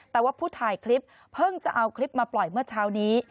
แต่ว่าผู้ถ่ายคลิปเพิ่งจะเอาคลิปมาปล่อยเมื่อเช้านี้